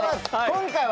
今回は。